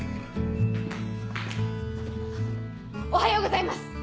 おはようございます！